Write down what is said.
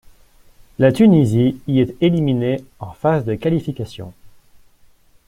La Tunisie y est éliminée en phase de qualification.